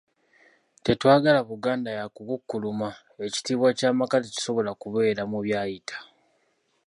Tetwagala Buganda yakukukkuluma, ekitiibwa ky'amaka tekisobola kubeera mu byayita.